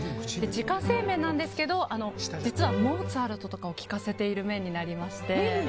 自家製麺なんですけど実は、モーツァルとかを聴かせている麺になりまして。